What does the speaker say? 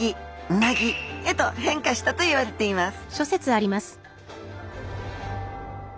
「うなぎ」へと変化したといわれています